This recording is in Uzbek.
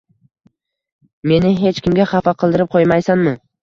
Meni hech kimga xafa qildirib qo`ymaysanmi